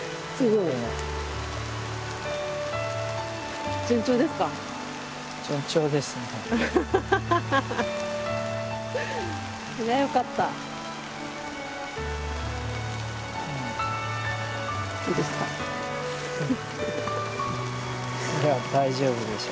いや大丈夫でしょ。